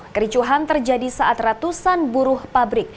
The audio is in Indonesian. kericuhan terjadi saat ratusan buruh pabrik